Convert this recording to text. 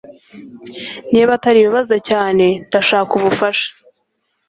Niba atari ibibazo cyane ndashaka ubufasha